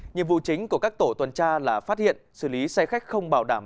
nhiệm vụ chính của các tổ tuần tra là phát hiện xử lý xe khách không bảo đảm